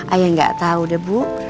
ayah gak tau deh bu